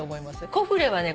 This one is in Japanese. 「コフレ」はね